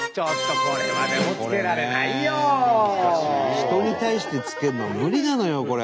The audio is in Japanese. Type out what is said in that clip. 人に対してつけるのは無理なのよこれ。